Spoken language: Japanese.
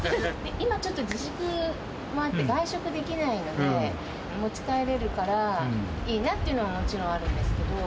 今、ちょっと自粛もあって、外食できないので、持ち帰れるからいいなっていうのはもちろんあるんですけど。